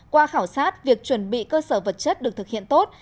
qua khảo sát việc chuẩn bị cơ sở vật chất được thực hiện tốt